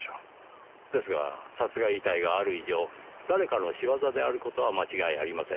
ですが殺害遺体がある以上誰かの仕業である事は間違いありません。